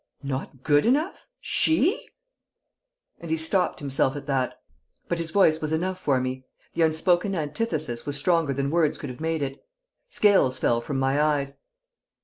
"Not good enough she?" and he stopped himself at that. But his voice was enough for me; the unspoken antithesis was stronger than words could have made it. Scales fell from my eyes.